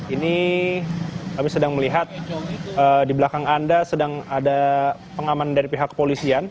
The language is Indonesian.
ini kami sedang melihat di belakang anda sedang ada pengaman dari pihak kepolisian